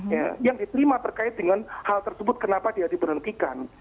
ya yang kelima terkait dengan hal tersebut kenapa dia diberhentikan